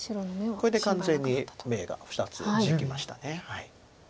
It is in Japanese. これで完全に眼が２つできました。